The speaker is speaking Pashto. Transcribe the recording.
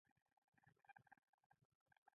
دا تشخیص د سولې شورا نوو ابتکارونو پورې راياد شو.